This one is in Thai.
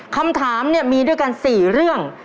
คำถามเนี่ยมีด้วยกัน๔เรื่อง